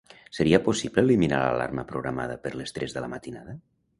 Seria possible eliminar l'alarma programada per les tres de la matinada?